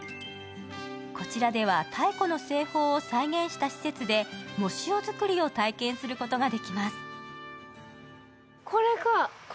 こちらでは太古の製法を再現した施設で藻塩作りを体験することができます。